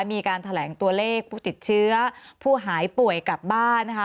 มีการแถลงตัวเลขผู้ติดเชื้อผู้หายป่วยกลับบ้านนะคะ